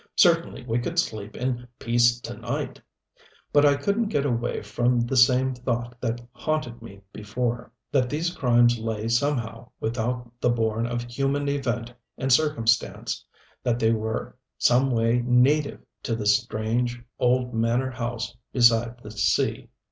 Certainly we could sleep in peace to night! But I couldn't get away from the same thought that haunted me before that these crimes lay somehow without the bourne of human event and circumstance, that they were some way native to this strange, old manor house beside the sea.